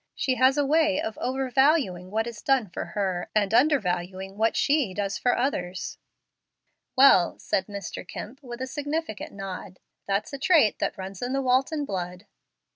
She has a way of overvaluing what is done for her, and undervaluing what she does for others." "Well," said Mr. Kemp, with a significant nod, "that's a trait that runs in the Walton blood."